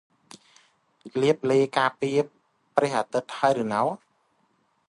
លាបឡេការពារព្រះអាទិត្យហើយនៅ?